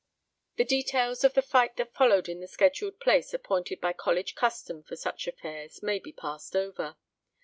The details of the fight that followed in the secluded place appointed by college custom for such affairs may be passed over.